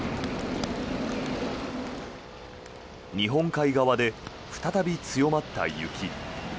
日本海側で再び強まった雪。